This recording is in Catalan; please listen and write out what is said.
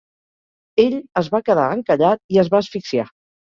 Ell es va quedar encallat i es va asfixiar.